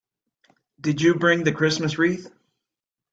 Did you bring the Christmas wreath?